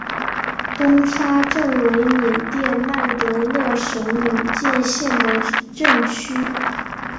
东沙镇为缅甸曼德勒省敏建县的镇区。